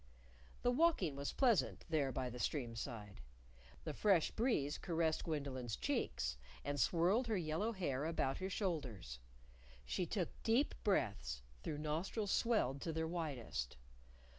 The walking was pleasant there by the stream side. The fresh breeze caressed Gwendolyn's cheeks, and swirled her yellow hair about her shoulders. She took deep breaths, through nostrils swelled to their widest.